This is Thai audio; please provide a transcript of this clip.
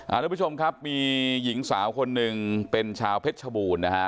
ทุกผู้ชมครับมีหญิงสาวคนหนึ่งเป็นชาวเพชรชบูรณ์นะฮะ